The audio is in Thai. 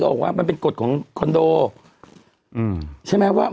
คือทางฝั่งของผมมีโอกาสที่คุยกับตำรวจ